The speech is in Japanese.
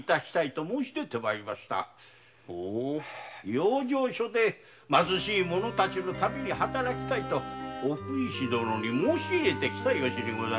養生所で貧しい者たちのために働きたいと奥医師殿に申し入れてきた由にございます。